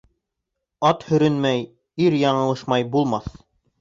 Ат һөрөнмәй, ир яңылышмай булмаҫ.